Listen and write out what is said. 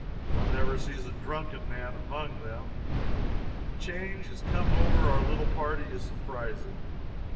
One never sees a drunken man among them. The change that has come over our little party is surprising.